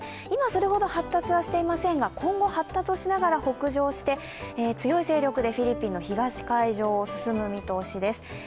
今それほど発達はしていませんが、今後、発達しながら北上して、強い勢力でフィリピンの東海上を進む見通しです。